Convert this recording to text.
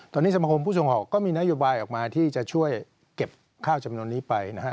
ตอนนี้สมคมผู้ส่งออกก็มีนโยบายออกมาที่จะช่วยเก็บข้าวจำนวนนี้ไปนะฮะ